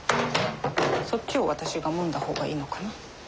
そっちを私がもんだ方がいいのかな？